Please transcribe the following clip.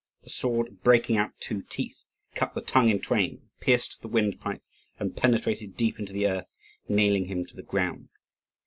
The sword, breaking out two teeth, cut the tongue in twain, pierced the windpipe, and penetrated deep into the earth, nailing him to the ground.